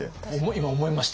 今思いました。